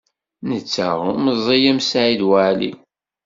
Netta ur meẓẓiy am Saɛid Waɛli.